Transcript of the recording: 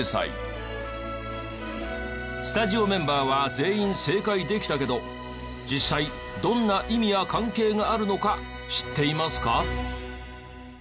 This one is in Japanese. スタジオメンバーは全員正解できたけど実際どんな意味や関係があるのか知っていますか？